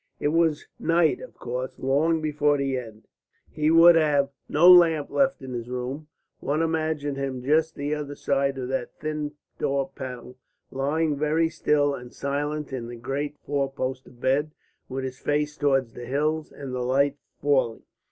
It was night, of course, long before the end. He would have no lamp left in his room. One imagined him just the other side of that thin door panel, lying very still and silent in the great four poster bed with his face towards the hills, and the light falling.